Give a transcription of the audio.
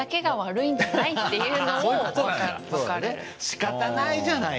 「しかたないじゃないか」。